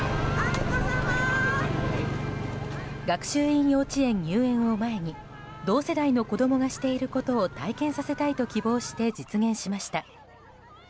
学習院幼稚園入園を前に同世代の子供がしていることを体験させたいと希望して実現しました。